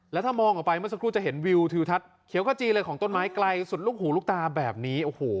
แล้วถ้ามองออกไปเมื่อสักครู่จะเห็นวิวทิวทัศน์เขียวขจีเลยของต้นไม้ไกลสุดลูกหูลูกตาแบบนี้โอ้โห